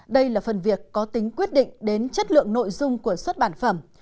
đây là phần việc có tính quyết định đến chất lượng nội dung của xuất bản phẩm